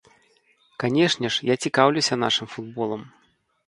Канечне ж, я цікаўлюся нашым футболам.